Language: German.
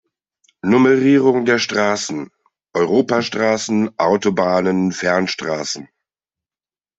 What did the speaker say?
Nummerierung der Straßen: Europastraßen, Autobahnen, Fernstraßen.